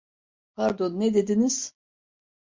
Pardon, ne dediniz?